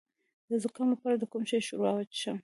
د زکام لپاره د کوم شي ښوروا وڅښم؟